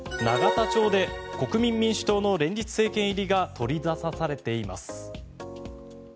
永田町で国民民主党の連立政権入りが取り沙汰されています。